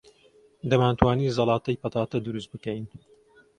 دەمانتوانی زەڵاتەی پەتاتە دروست بکەین.